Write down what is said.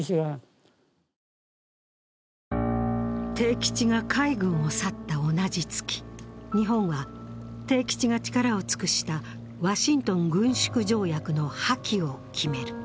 悌吉が海軍を去った同じ月、日本は悌吉が力を尽くしたワシントン軍縮条約の破棄を決める。